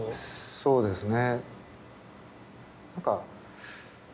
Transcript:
そうですね。